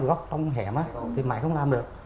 ở trong hẻm thì máy không làm được